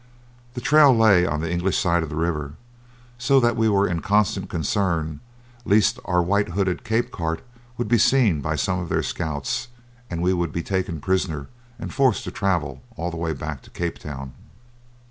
The trail lay on the English side of the river, so that we were in constant concern lest our white hooded Cape cart would be seen by some of their scouts and we would be taken prisoners and forced to travel all the way back to Cape Town.